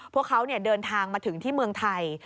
พวกเขาเดินทางมาถึงที่เมืองไทย